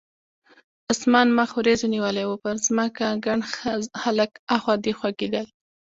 د اسمان مخ وریځو نیولی و، پر ځمکه ګڼ خلک اخوا دیخوا کېدل.